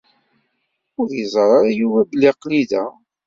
Ur iẓerr ara Yuba belli aql-i da.